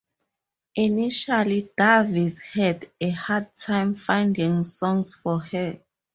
Initially Davis had a hard time finding songs for her.